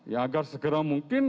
ya agar segera mungkin